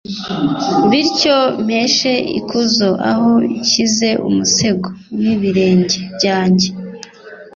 bityo mpeshe ikuzo aho nshyize umusego w’ibirenge byanjye.